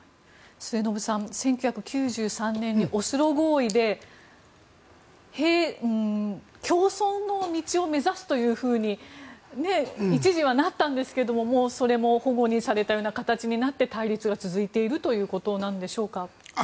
末延さん、１９９３年にオスロ合意で共存の道を目指すというふうに一時はなったんですが、それも反故にされたような形になって対立が続いているということなんでしょうか。